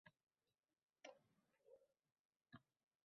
Birdan odamning nafasi qaytadi!